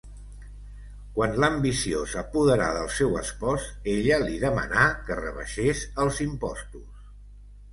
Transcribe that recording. Quan l'ambició s'apoderà del seu espòs, ella li demanà que rebaixés els impostos.